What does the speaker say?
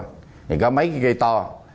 thì có mấy cái cây to